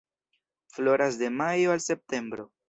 Floras de majo al septembro.